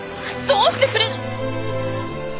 どうしてくれる。